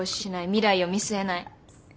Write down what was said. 未来を見据えない。